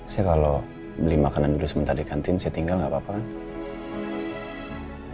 saya kalau beli makanan dulu sebentar di kantin saya tinggal gak apa apa kan